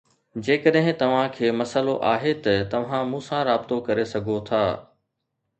جيڪڏهن توهان کي مسئلو آهي ته توهان مون سان رابطو ڪري سگهو ٿا